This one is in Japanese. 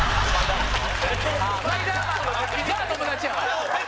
陣内：じゃあ、友達やわ。